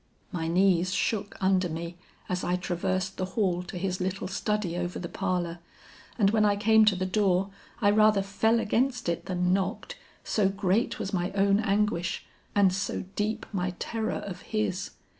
My knees shook under me, as I traversed the hall to his little study over the parlor, and when I came to the door, I rather fell against it than knocked, so great was my own anguish, and so deep my terror of his.